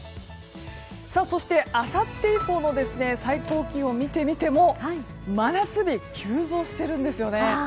そして、あさって以降の最高気温を見てみても真夏日、急増しているんです。